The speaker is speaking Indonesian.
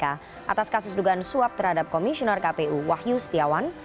atas kasus dugaan suap terhadap komisioner kpu wahyu setiawan